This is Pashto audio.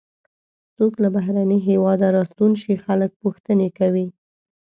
څوک له بهرني هېواده راستون شي خلک پوښتنې کوي.